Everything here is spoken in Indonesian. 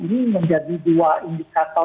ini menjadi dua indikator